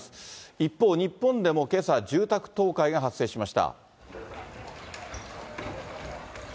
一方、日本でもけさ、住宅倒壊が発生しました。